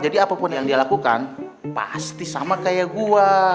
jadi apapun yang dia lakukan pasti sama kayak gue